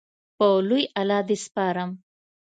په لوی الله دې سپارم